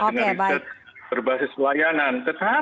dengan riset berbasis pelayanan